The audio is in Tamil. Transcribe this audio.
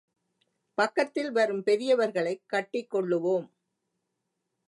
பக்கத்தில் வரும் பெரியவர்களைக் கட்டிக் கொள்ளுவோம்.